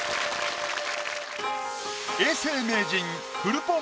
永世名人フルポン